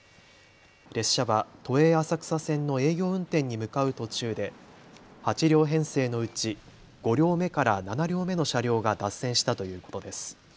列車は都営浅草線の営業運転に向かう途中で８両編成のうち５両目から７両目の車両が脱線したということです。